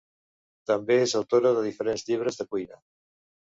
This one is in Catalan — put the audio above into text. També és autora de diferents llibres de cuina.